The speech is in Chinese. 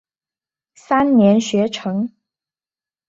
三年学成。